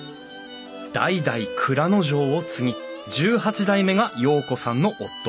代々内蔵丞を継ぎ１８代目が陽子さんの夫。